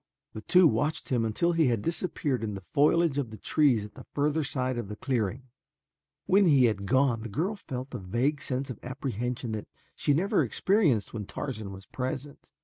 The two watched him until he had disappeared in the foliage of the trees at the further side of the clearing. When he had gone the girl felt a vague sense of apprehension that she never experienced when Tarzan was present.